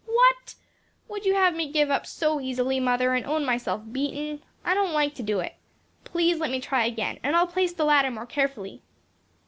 "What! would you have me give up so easily, mother, and own myself beaten? I don't like to do it. Please let me try again, and I'll place the ladder more carefully."